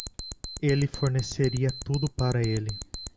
Ele forneceria tudo para ele.